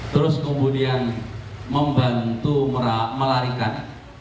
terus kemudian membantu melarikan